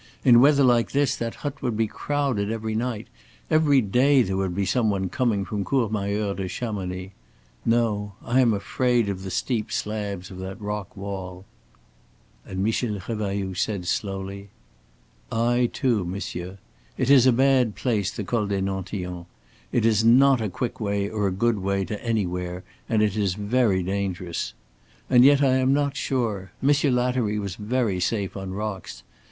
In weather like this, that hut would be crowded every night; every day there would be some one coming from Courmayeur to Chamonix. No! I am afraid of the steep slabs of that rock wall." And Michael Revailloud said slowly: "I, too, monsieur. It is a bad place, the Col des Nantillons; it is not a quick way or a good way to anywhere, and it is very dangerous. And yet I am not sure. Monsieur Lattery was very safe on rocks.